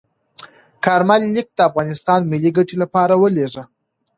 کارمل لیک د افغانستان ملي ګټې لپاره ولیږه.